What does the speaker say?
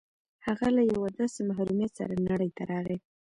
هغه له يوه داسې محروميت سره نړۍ ته راغی.